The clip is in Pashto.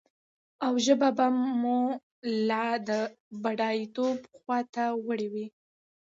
او ژبه به مو لا د بډايتوب خواته وړي وي.